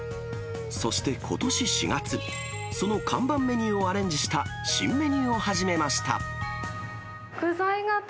そして、ことし４月、その看板メニューをアレンジした新メニューを始めました。